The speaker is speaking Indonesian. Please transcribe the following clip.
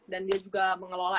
dan dia juga mengelola